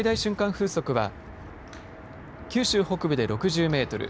風速は九州北部で６０メートル